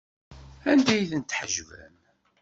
Anda ay tent-tḥejbem?